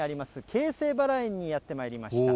京成バラ園にやってまいりました。